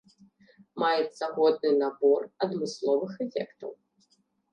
Маецца годны набор адмысловых эфектаў.